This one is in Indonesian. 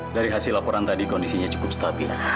dari hasil laporan tadi kondisinya cukup stabil